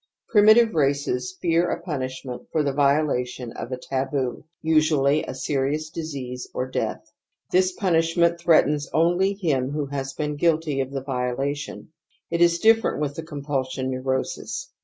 Primitive races fear a punishment for the violation of a taboo, usually a serious disease or death. This punishment threatens Lon]J;Jy^l3hoJla£^bee^^ It is different with the compulsion neurosis.